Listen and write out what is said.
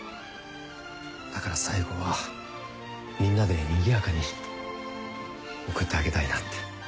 だから最後はみんなでにぎやかに送ってあげたいなって。